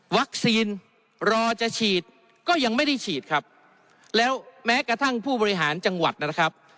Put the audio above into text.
รอจะฉีดก็ยังไม่ได้ฉีดครับแล้วแม้กระทั่งผู้บริหารจังหวัดนะครับ